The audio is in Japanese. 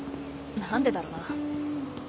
何でだろな。